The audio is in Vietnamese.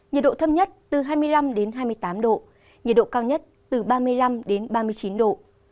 nhiệt độ thấp nhất từ hai mươi năm đến hai mươi tám độ nhiệt độ cao nhất từ ba mươi năm đến ba mươi chín độ